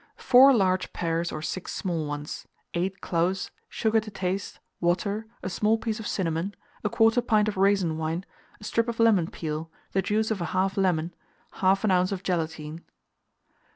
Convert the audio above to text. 4 large pears or 6 small ones, 8 cloves, sugar to taste, water, a small piece of cinnamon, 1/4 pint of raisin wine, a strip of lemon peel, the juice of 1/2 lemon, 1/2 oz. of gelatine.